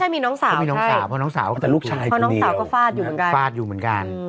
ใช่มีน้องสาวมีน้องสาวเพราะน้องสาวก็ฟาดอยู่เหมือนกันฟาดอยู่เหมือนกัน